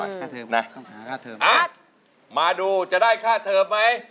ค่าเทิมนะถามค่าเทิมครับมาดูจะได้ค่าเทิมไหม